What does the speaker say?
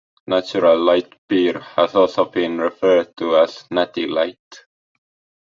Natural Light Beer has also been referred to as Natty Light.